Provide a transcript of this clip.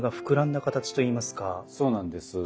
そうなんです。